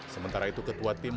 sementara itu ketua tim